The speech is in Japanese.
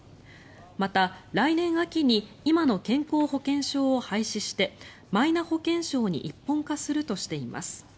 また、来年秋に今の健康保険証を廃止してマイナ保険証に一本化するとしています。